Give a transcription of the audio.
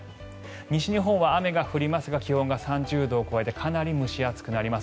西日本は雨が降りますが気温が３０度を超えてかなり蒸し暑くなります。